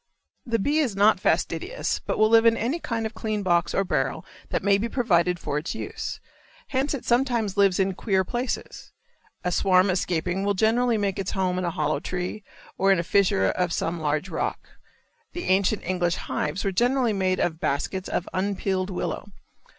The bee is not fastidious, but will live in any kind of clean box or barrel that may be provided for its use, hence it sometimes lives in queer places. A swarm escaping will generally make its home in a hollow tree or in a fissure of some large rock. The ancient English hives were generally made of baskets of unpeeled willow.